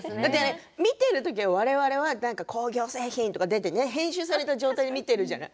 見ている時、我々は工業製品とが出て編集された状態で見ているじゃない？